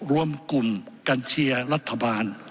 รวมกลุ่มกันเชียร์รัฐบาล